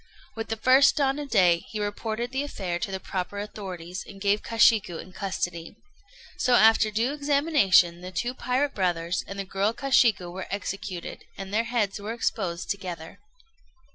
With the first dawn of day, he reported the affair to the proper authorities, and gave Kashiku in custody. So, after due examination, the two pirate brothers and the girl Kashiku were executed, and their heads were exposed together.